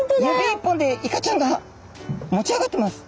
指一本でイカちゃんが持ち上がってます。